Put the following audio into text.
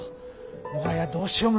もはやどうしようもなく。